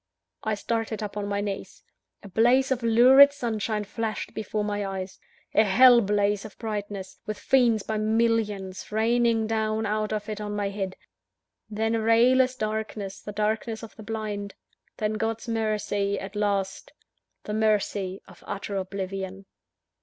I started up on my knees. A blaze of lurid sunshine flashed before my eyes; a hell blaze of brightness, with fiends by millions, raining down out of it on my head; then a rayless darkness the darkness of the blind then God's mercy at last the mercy of utter oblivion.